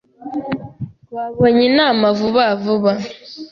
Twabonye inama vuba vuba.